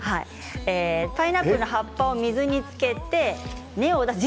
パイナップルの葉っぱを水につけて根を出す。